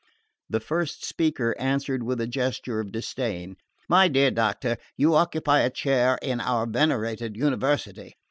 The first speaker answered with a gesture of disdain. "My dear doctor, you occupy a chair in our venerated University.